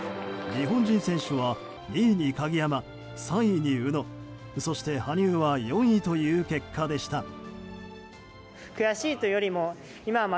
日本人選手は２位に鍵山３位に宇野そして、羽生は４位という結果でした。